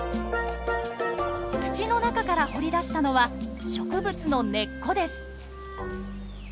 土の中から掘り出したのは植物の根っこです。